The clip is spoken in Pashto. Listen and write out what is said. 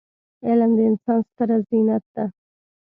علم د انسان ستره زينت دی.